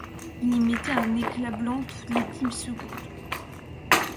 Il émettait un éclat blanc toutes les dix secondes.